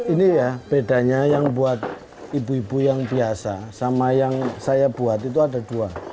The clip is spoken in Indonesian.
ini ya bedanya yang buat ibu ibu yang biasa sama yang saya buat itu ada dua